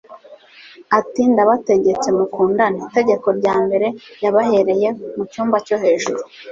ati: «Ndabategetse mukundane.» Itegeko rya mbere yabahereye mu cyumba cyo hejuru